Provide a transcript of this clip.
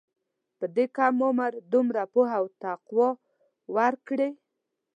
په دې کم عمر دومره پوهه او تقوی ورکړې.